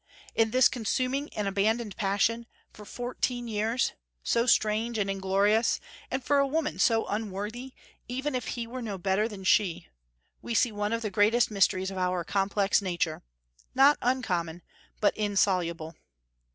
In this consuming and abandoned passion, for fourteen years, so strange and inglorious, and for a woman so unworthy, even if he were no better than she, we see one of the great mysteries of our complex nature, not uncommon, but insoluble.